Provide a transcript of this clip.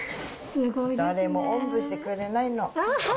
誰もおんぶしてくれないの。